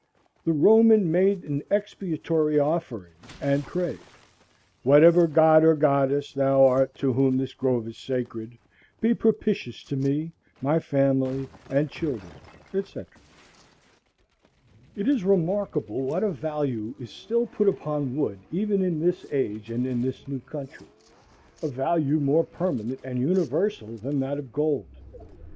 The Roman made an expiatory offering, and prayed, Whatever god or goddess thou art to whom this grove is sacred, be propitious to me, my family, and children, &c. It is remarkable what a value is still put upon wood even in this age and in this new country, a value more permanent and universal than that of gold.